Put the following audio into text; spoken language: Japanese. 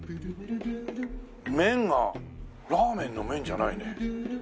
麺がラーメンの麺じゃないね。